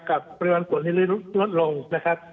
กับบริเวณฝนให้ลดลงนะครับ